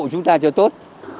chúng ta cho tốt